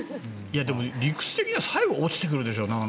でも理屈的には最後、落ちてくるでしょう。